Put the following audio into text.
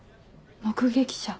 目撃者。